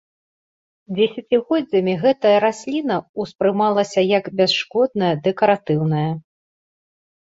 Дзесяцігоддзямі гэтая расліна ўспрымалася як бясшкодная дэкаратыўная.